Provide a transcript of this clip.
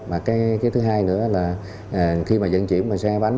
và cái thứ hai nữa là khi mà dẫn chuyển bằng xe hai bánh